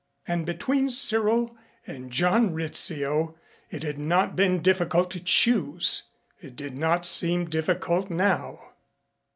And between Cyril and John Rizzio it had not been difficult to choose. It did not seem difficult now.